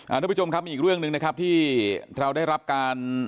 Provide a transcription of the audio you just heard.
ทุกผู้ชมครับมีอีกเรื่องหนึ่งนะครับที่เราได้รับการ